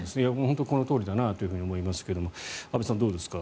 このとおりだなと思いますが安部さん、どうですか？